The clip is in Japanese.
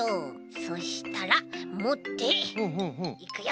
そしたらもっていくよ。